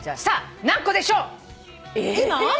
さあ何個でしょう？